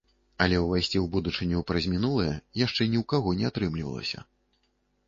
Але ўвайсці ў будучыню праз мінулае яшчэ ні ў каго не атрымлівалася.